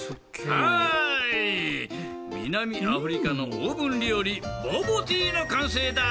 はい南アフリカのオーブン料理ボボティーの完成だ。